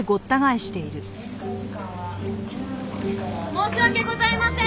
申し訳ございません。